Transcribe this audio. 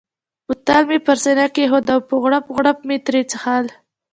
بوتل مې پر سینه کښېښود او په غوړپ غوړپ مې ترې څښل.